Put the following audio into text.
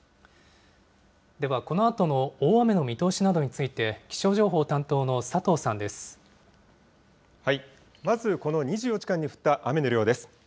ではこのあとの大雨の見通しなどについて、気象情報担当の佐まずこの２４時間に降った雨の量です。